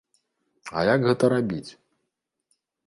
А як гэта рабіць?